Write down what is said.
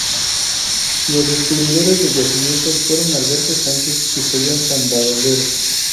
Los descubridores del yacimiento fueron Alberto Sánchez y Julián San Valero.